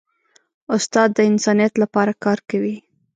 استاد د انسانیت لپاره کار کوي.